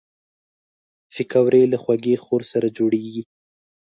پکورې له خوږې خور سره جوړېږي